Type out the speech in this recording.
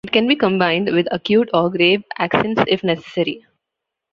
It can be combined with acute or grave accents, if necessary.